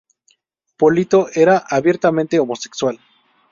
Polito era abiertamente homosexual.